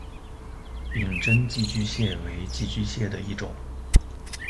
柄真寄居蟹为寄居蟹的一种。